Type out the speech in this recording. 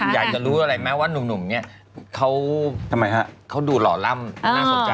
อยากจะรู้อะไรไหมว่านุ่มนี่เขาดูหล่อล่ำน่าสนใจ